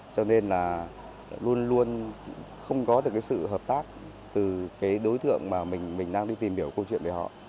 cho nên là luôn luôn không có được cái sự hợp tác từ cái đối tượng mà mình đang đi tìm hiểu câu chuyện về họ